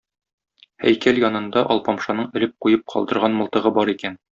Һәйкәл янында Алпамшаның элек куеп калдырган мылтыгы бар икән.